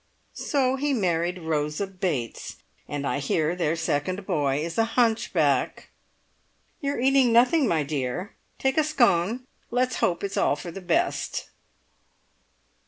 So he married Rosa Bates, and I hear their second boy is a hunchback. You are eating nothing, my dear. Take a scone. Let's hope it's all for the best!"